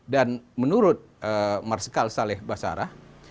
dan menurut marsekal saleh basarah